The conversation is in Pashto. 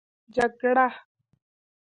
جگړه